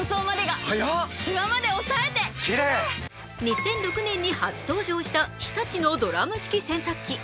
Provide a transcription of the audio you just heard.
２００６年に初登場した日立のドラム式洗濯機。